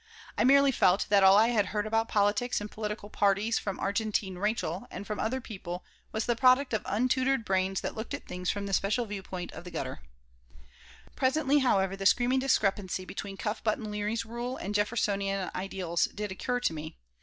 I merely felt that all I had heard about politics and political parties from Argentine Rachael and from other people was the product of untutored brains that looked at things from the special viewpoint of the gutter Presently, however, the screaming discrepancy between Cuff Button Leary's rule and "Jeffersonian ideals" did occur to me.